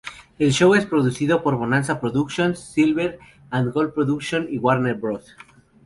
El show es producido por Bonanza Productions, Silver and Gold Productions, y Warner Bros.